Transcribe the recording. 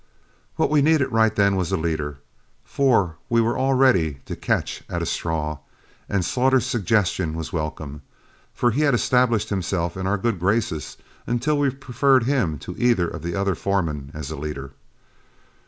What we needed right then was a leader, for we were all ready to catch at a straw, and Slaughter's suggestion was welcome, for he had established himself in our good graces until we preferred him to either of the other foremen as a leader.